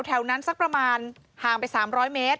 แถวนั้นสักประมาณห่างไป๓๐๐เมตร